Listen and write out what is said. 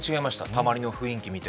たまりの雰囲気見て。